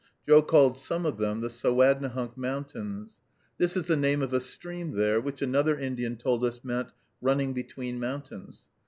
Joe called some of them the Sowadnehunk Mountains. This is the name of a stream there, which another Indian told us meant "running between mountains."